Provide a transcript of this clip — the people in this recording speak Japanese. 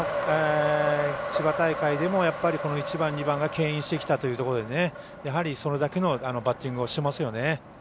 千葉大会でもこの１番、２番がけん引してきたというところでやはり、それだけのバッティングをしてますよね。